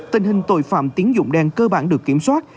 tình hình tội phạm tín dụng đen cơ bản được kiểm soát